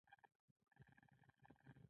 متل دی: په خره سپور خر ترې ورک.